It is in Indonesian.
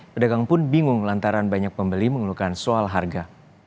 pedagang pun bingung lantaran banyak pembeli mengeluhkan soal harga